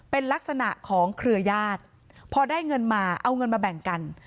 เป็นลักษณะของเครือญาติพอได้เงินมาเอาเงินมาแบ่งกัน